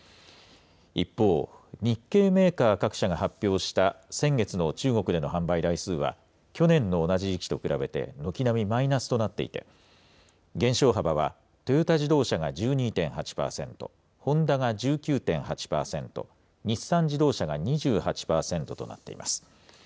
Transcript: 一方、日系メーカー各社が発表した先月の中国での販売台数は、去年の同じ時期と比べて軒並みマイナスとなっていて、減少幅はトヨタ自動車が１２．８％、ホンダが１９．８％、日産自動車が２８％となっています。